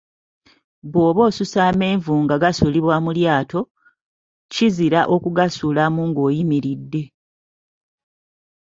Bw'oba osusa amenvu nga gasuulibwa mu lyato, kizira okugasuulamu nga oyimiridde.